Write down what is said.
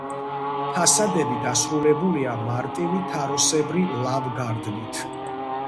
ფასადები დასრულებულია მარტივი თაროსებრი ლავგარდნით.